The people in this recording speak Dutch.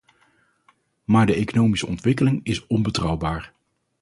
Maar de economische ontwikkeling is onbetrouwbaar.